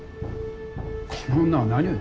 この女は何を。